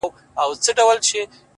• چي اې زویه اې زما د سترګو توره,